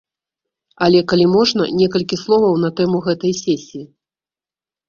Але, калі можна, некалькі словаў на тэму гэтай сесіі.